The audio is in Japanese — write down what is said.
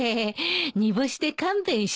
にぼしで勘弁して。